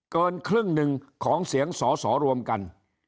เกินครึ่งหนึ่งของเสียงสอสอรวมกัน